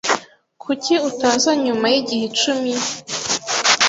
Kuki utaza nyuma yigihe icumi?